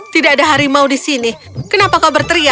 tidak ada harimau di sini kenapa kau berteriak